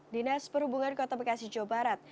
dinas perhubungan kota bekasi jawa barat